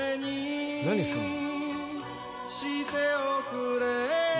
何すんの？